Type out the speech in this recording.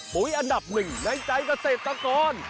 อันดับหนึ่งในใจเกษตรกร